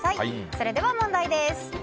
それでは問題です。